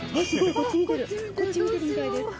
こっち見てるみたいです。